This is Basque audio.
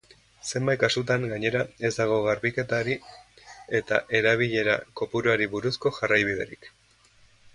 Zenbait kasutan, gainera, ez dago garbiketari eta erabilera-kopuruari buruzko jarraibiderik.